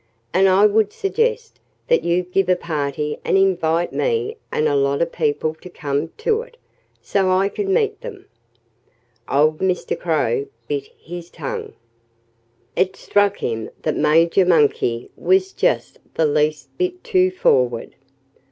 And I would suggest that you give a party and invite me and a lot of people to come to it, so I can meet them." Old Mr. Crow bit his tongue. It struck him that Major Monkey was just the least bit too forward.